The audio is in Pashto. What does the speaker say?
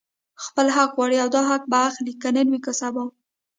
خپل حق غواړي او دا حق به اخلي، که نن وو که سبا